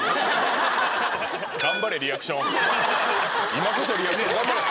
今こそリアクション頑張れ